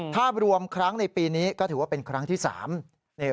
ถ้ารวมครั้งในปีนี้ก็ถือว่าเป็นครั้งที่๓